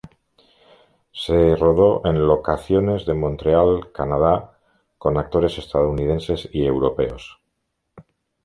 Se rodó en locaciones de Montreal, Canadá, con actores estadounidenses y europeos.